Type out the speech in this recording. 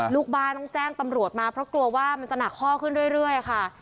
ลูกบ้านต้องแจ้งตำรวจมาเพราะกลัวว่ามันจะหนักข้อขึ้นเรื่อยค่ะ